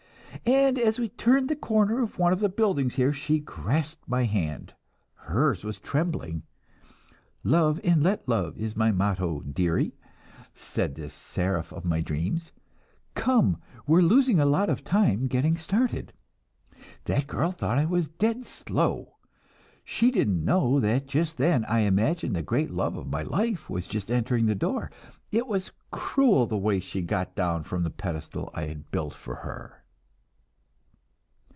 And as we turned the corner of one of the buildings here, she grasped my hand. Hers was trembling. 'Love and let love is my motto, dearie,' said this seraph of my dreams; 'come, we're losing a lot of time getting started.' That girl thought I was dead slow. She didn't know that just then I imagined the great love of my life was just entering the door. It was cruel the way she got down from the pedestal I had built for her."